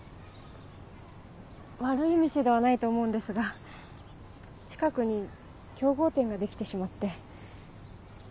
悪い店ではないと思うんですが近くに競合店ができてしまって。